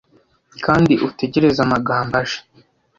Kandi utegereze amagambo aje.